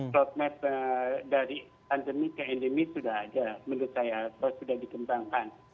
promot dari endemi ke endemi sudah ada menurut saya sudah dikembangkan